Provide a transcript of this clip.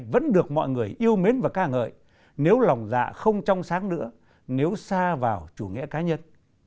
vẫn được mọi người yêu mến và ca ngợi nếu lòng dạ không trong sáng nữa nếu xa vào chủ nghĩa cá nhân